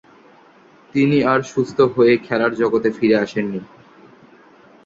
তিনি আর সুস্থ হয়ে খেলার জগতে ফিরে আসেননি।